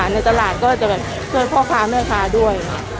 ในตลาดก็จะแบบช่วยพ่อค้าแม่ค้าด้วย